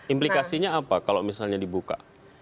implikasinya apa kalau misalnya dibuka